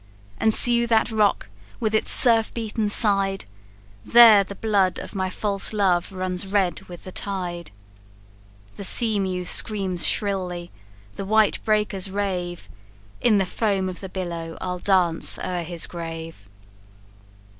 And see you that rock, with its surf beaten side, There the blood of my false love runs red with the tide; The sea mew screams shrilly, the white breakers rave In the foam of the billow I'll dance o'er his grave!'